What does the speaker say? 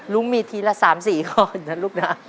รุ้งมีทีละสามสีก่อนนะลูกนะ